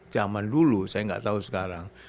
zaman dulu saya nggak tahu sekarang